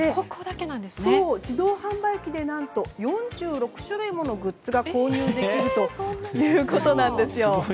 自動販売機で４６種類ものグッズが購入できるということなんです。